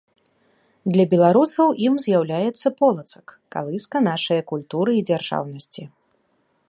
Для Беларусаў ім зьяўляецца Полацак - калыска нашае культуры і дзяржаўнасьці.